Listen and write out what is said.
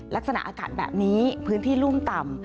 ลักษณะอากาศแบบนี้พื้นที่รุ่มต่ำ